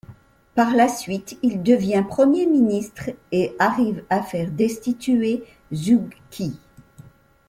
Par la suite, il devient Premier Ministre et arrive à faire destituer Zhuge Ke.